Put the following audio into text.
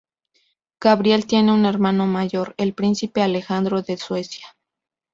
Gabriel tiene un hermano mayor, el príncipe Alejandro de Suecia.